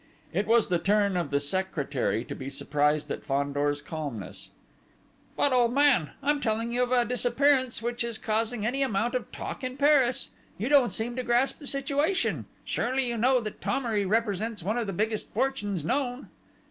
It was the turn of the secretary to be surprised at Fandor's calmness. "But, old man, I am telling you of a disappearance which is causing any amount of talk in Paris!... You don't seem to grasp the situation! Surely you know that Thomery represents one of the biggest fortunes known?"